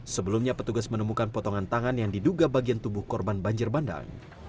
sebelumnya petugas menemukan potongan tangan yang diduga bagian tubuh korban banjir bandang